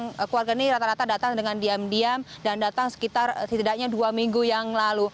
yang keluarga ini rata rata datang dengan diam diam dan datang sekitar setidaknya dua minggu yang lalu